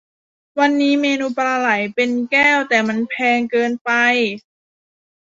วันนี้เมนูปลาไหลเป็นแก้ว แต่มันแพงเกินไป